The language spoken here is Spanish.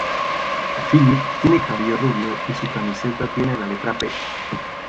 Phillip tiene cabello rubio y su camiseta tiene la letra "P".